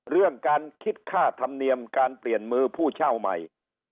เรื่องการคิดค่าธรรมเนียมการเปลี่ยนมือผู้เช่าใหม่